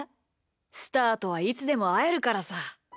スターとはいつでもあえるからさ。